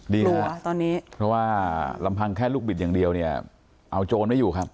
ตอนนี้เพราะว่าลำพังแค่ลูกบิดอย่างเดียวเนี่ยเอาโจรไม่อยู่ครับ